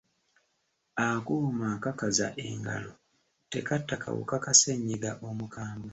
Akuuma akakaza engalo tekatta kawuka ka ssennyiga omukambwe.